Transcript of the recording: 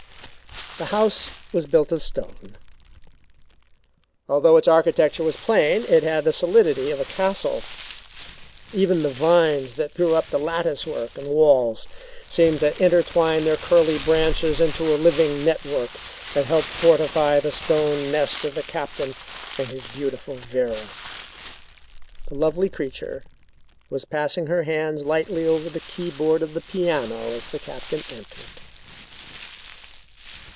The house was built of stone, and although its architecture was plain, it had the solidity of a castle. Even the vines that grew up the lattice work and walls seemed to intertwine their curly branches into a living network that helped fortify the stone nest of the Captain and his beautiful Vera. The lovely creature was passing her hands lightly over the keyboard of the piano as the Captain entered.